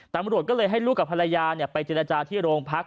ตำรวจก็เลยให้ลูกกับภรรยาไปเจรจาที่โรงพัก